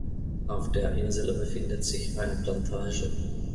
Auf der Insel befindet sich eine Plantage.